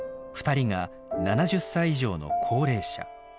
２人が７０歳以上の高齢者。